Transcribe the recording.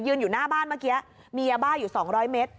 อยู่หน้าบ้านเมื่อกี้มียาบ้าอยู่๒๐๐เมตร